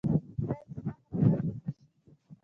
ایا زما خپګان به ښه شي؟